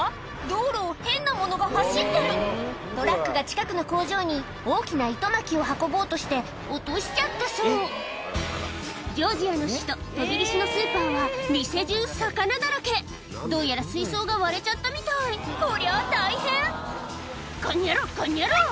道路を変なものが走ってるトラックが近くの工場に大きな糸巻きを運ぼうとして落としちゃったそうジョージアの首都トビリシのスーパーは店中魚だらけどうやら水槽が割れちゃったみたいこりゃあ大変「こんにゃろこんにゃろ！